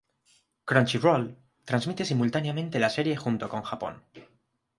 Crunchyroll transmite simultáneamente la serie junto con Japón.